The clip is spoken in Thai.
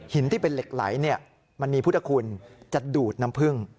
ที่เป็นเหล็กไหลมันมีพุทธคุณจะดูดน้ำพึ่ง